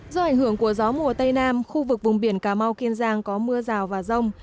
do ảnh hưởng của gió mùa tây nam khu vực vùng biển cà mau kiên giang có mưa rào và rông